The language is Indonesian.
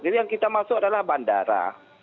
jadi yang kita masuk adalah bandara